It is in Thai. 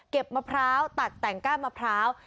มะพร้าวตัดแต่งก้านมะพร้าว